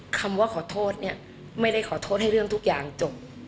คำว่าขอโทษเนี่ยไม่ได้ขอโทษให้เรื่องทุกอย่างจบ